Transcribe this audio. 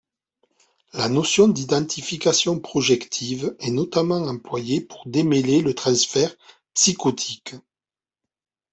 La notion d'identification projective est notamment employée pour démêler le transfert psychotique.